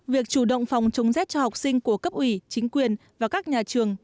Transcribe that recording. việc chủ động phòng chống rét cho học sinh của cấp ủy chính quyền và các nhà trường